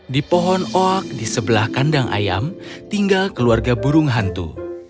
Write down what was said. di pohon oak di sebelah kandang ayam tinggal keluarga burung hantu